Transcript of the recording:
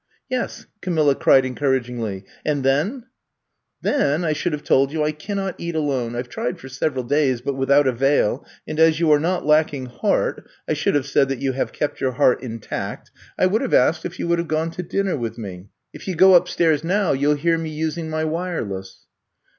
'' *'Yes," Camilla cried encouragingly^ ^'andthenf" Then I should have told you I cannot eat alone. I 've tried for several days but without avail, and as you are not lacking heart — ^I should have said that you have kept your heart intact — I would have asked if you would have gone to dinner with me. 28 I'VE COME TO STAY If you go upstairs now you '11 hear me using my wireless.